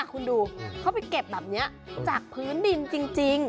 คุณดูเขาไปเก็บแบบนี้จากพื้นดินจริง